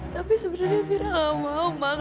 tapi sebenarnya mira gak mau mak